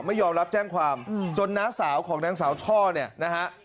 ไม่ยอมรับแจ้งความจนน้าสาวของนางสาวช่อเนี่ยนะฮะ